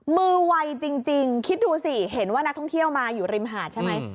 วัยจริงคิดดูสิเห็นว่านักท่องเที่ยวมาอยู่ริมหาดใช่ไหม